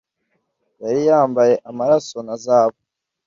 Yari yambaye amaraso na zahabu;